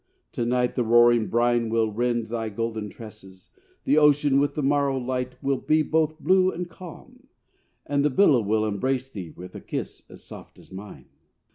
To night the roaring brine Will rend thy golden tresses; The ocean with the morrow light Will be both blue and calm; And the billow will embrace thee with a kiss as soft as mine.